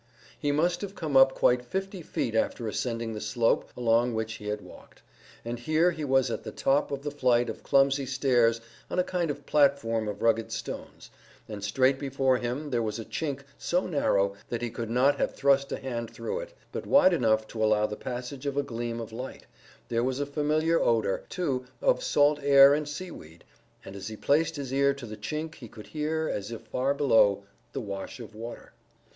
He must have come up quite fifty feet after ascending the slope along which he had walked, and here he was at the top of the flight of clumsy stairs on a kind of platform of rugged stones, and straight before him there was a chink so narrow that he could not have thrust a hand through it, but wide enough to allow the passage of a gleam of light; there was a familiar odour, too, of salt air and seaweed, and as he placed his ear to the chink he could hear, as if far below, the wash of water.